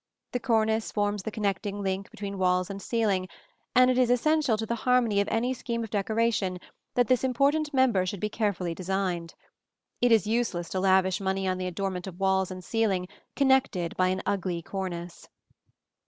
The cornice forms the connecting link between walls and ceiling and it is essential to the harmony of any scheme of decoration that this important member should be carefully designed. It is useless to lavish money on the adornment of walls and ceiling connected by an ugly cornice.